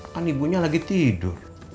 kan ibunya lagi tidur